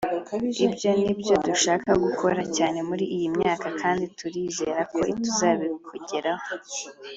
ibyo ni byo dushaka gukora cyane muri iyi myaka kandi turizera ko tuzabigeraho